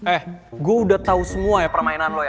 eh gue udah tahu semua ya permainan lo ya